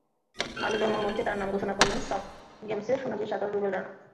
আলো ঝলমলে মঞ্চে তাঁর নাম ঘোষণা করলেন সাফ গেমসে সোনাজয়ী সাঁতারু রুবেল রানা।